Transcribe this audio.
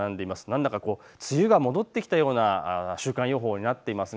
何だか梅雨が戻ってきたような週間予報になっています。